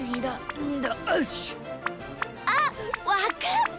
あわかった！